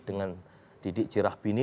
dengan didik jirah bini